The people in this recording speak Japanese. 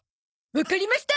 わかりました！